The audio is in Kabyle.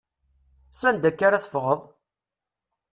S anda akka ara teffɣeḍ?